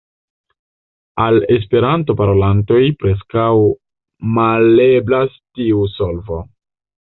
Al Esperanto-parolantoj preskaŭ maleblas tiu solvo.